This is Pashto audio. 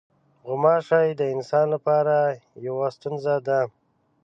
غوماشې د انسان لپاره یوه ستونزه ده.